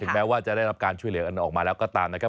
แม้ว่าจะได้รับการช่วยเหลือกันออกมาแล้วก็ตามนะครับ